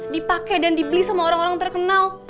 dipakai dan dibeli sama orang orang terkenal